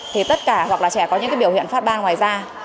thì tất cả hoặc là trẻ có những biểu hiện phát ban ngoài da